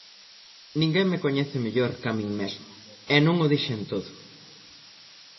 Ninguén me coñece mellor ca min mesmo; e non o dixen todo.